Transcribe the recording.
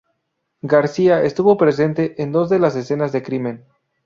García, estuvo presente en dos de las escenas de crimen.